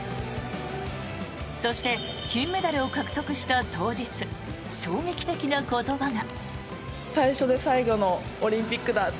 そして、金メダルを獲得した当日衝撃的な言葉が。